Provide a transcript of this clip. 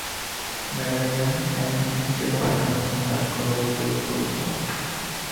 ম্যাডালিনের a wrinkle of time নিয়ে কাজ অবশ্য এই প্রথম নয়।